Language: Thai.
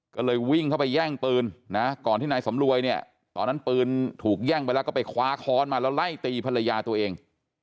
ก็เลยวิ่งเข้าไปแย่งปืนนะก่อนที่นายสำรวยเนี่ยตอนนั้นปืนถูกแย่งไปแล้วก็ไปคว้าค้อนมาแล้วไล่ตีภรรยาตัวเอง